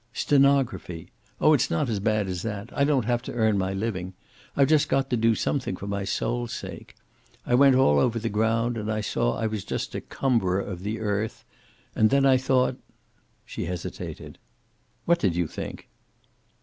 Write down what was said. "Stenography. Oh, it's not as bad as that. I don't have to earn my living. I've just got to do something for my soul's sake. I went all over the ground, and I saw I was just a cumberer of the earth, and then I thought " She hesitated. "What did you think?"